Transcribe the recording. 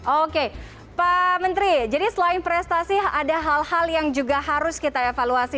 oke pak menteri jadi selain prestasi ada hal hal yang juga harus kita evaluasi